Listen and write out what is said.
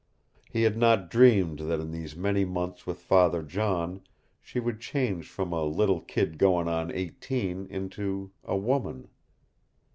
He had not dreamed that in these many months with Father John she would change from "a little kid goin' on eighteen" into A WOMAN.